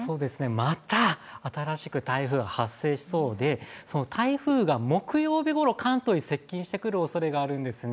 また新しく台風が発生しそうで、その台風が木曜日ごろ、関東に接近してくるおそれがあるんですね。